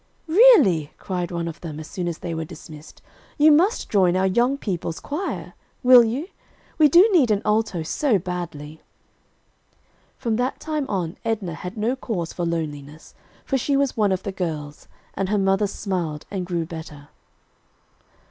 "Really," cried one of them as soon as they were dismissed, "you must join our young people's choir, will you? We do need an alto so badly." From that time on, Edna had no cause for loneliness, for she was one of the girls, and her mother smiled and grew better.